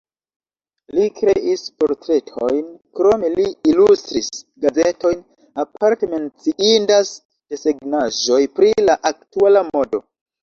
Li kreis portretojn, krome li ilustris gazetojn, aparte menciindas desegnaĵoj pri la aktuala modo.